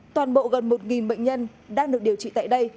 toàn bộ gần một bệnh nhân đang được điều trị tại đây